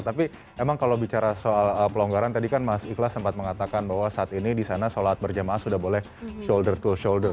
tapi emang kalau bicara soal pelonggaran tadi kan mas ikhlas sempat mengatakan bahwa saat ini di sana sholat berjamaah sudah boleh shoulder to shoulder